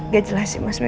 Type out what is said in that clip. gak jelas sih mas mimpi